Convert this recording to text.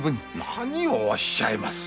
何をおっしゃいます。